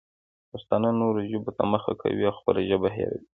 پښتانه نورو ژبو ته مخه کوي او خپله ژبه هېروي.